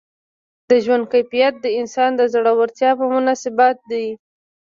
د ژوند کیفیت د انسان د زړورتیا په تناسب دی.